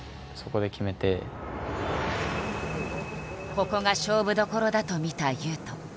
ここが勝負どころだと見た雄斗。